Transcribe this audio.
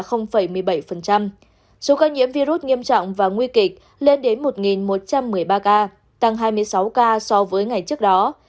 số ca nhiễm virus nghiêm trọng và nguy kịch lên đến một một trăm một mươi ba ca tăng hai mươi sáu ca so với ngày trước đó